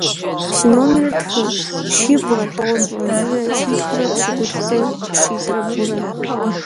Си номерыр тхы: щибгъурэ тӏощӏрэ зырэ - щитхурэ пщыкӏутхурэ – щитӏрэ бгъурэ.